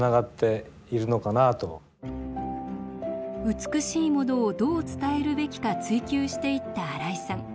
美しいものをどう伝えるべきか追求していった新井さん。